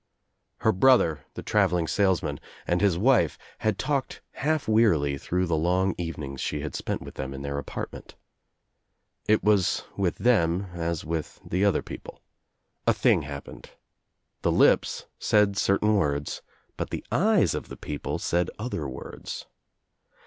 Her brother, the traveling salesman, and his wife had talked half wearily through the long evenings she had spent with them in their apartment It was with them as with the other people. A thing hap pened. The lips said certain words but the eyes of the people said other words.